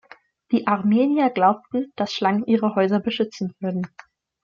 Die Armenier glaubten, dass Schlangen ihre Häuser beschützen würden.